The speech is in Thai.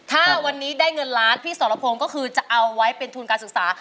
ถ้าวันนี้ได้เงินล้านพี่สรพงศ์ก็คือจะเอาไว้เป็นทุนการศึกษา